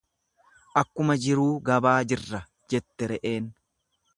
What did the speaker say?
Akkuma jiruu gabaa jirra jette re'een.